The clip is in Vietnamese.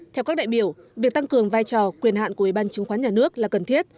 theo các đại biểu việc tăng cường vai trò quyền hạn của ủy ban chứng khoán nhà nước là cần thiết